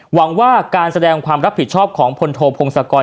หวังว่าการแสดงความรับผิดชอบของพลโทพงศกร